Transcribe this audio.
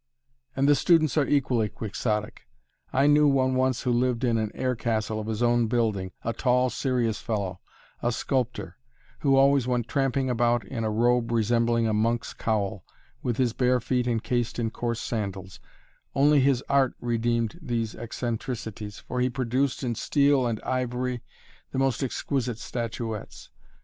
And the students are equally quixotic. I knew one once who lived in an air castle of his own building a tall, serious fellow, a sculptor, who always went tramping about in a robe resembling a monk's cowl, with his bare feet incased in coarse sandals; only his art redeemed these eccentricities, for he produced in steel and ivory the most exquisite statuettes.